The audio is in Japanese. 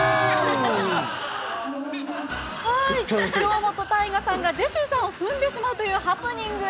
京本大我さんが、ジェシーさんを踏んでしまうというハプニング。